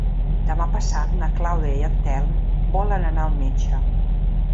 Demà passat na Clàudia i en Telm volen anar al metge.